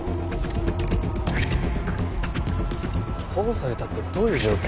保護されたってどういう状況？